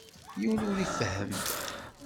Yiwen ur ifehhem.